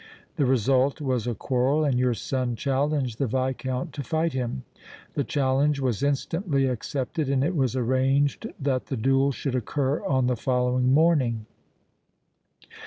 The result was a quarrel and your son challenged the Viscount to fight him. The challenge was instantly accepted and it was arranged that the duel should occur on the following morning.